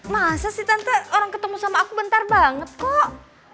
masa sih tante orang ketemu sama aku bentar banget kok